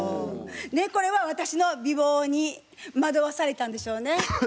これは私の美貌に惑わされたんでしょうね。